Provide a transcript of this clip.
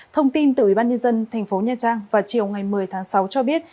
thông tin từ ủy ban nhân dân thành phố nha trang vào chiều ngày một mươi tháng sáu cho biết